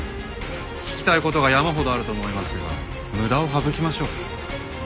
聞きたい事が山ほどあると思いますが無駄を省きましょう。